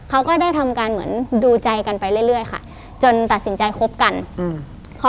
เขาก็ได้ทำการเหมือนดูใจกันไปเรื่อยเรื่อยค่ะจนตัดสินใจคบกันอืม